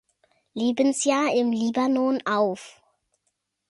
Lebensjahr im Libanon auf.